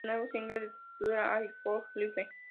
El nuevo single se titula "All Out Life".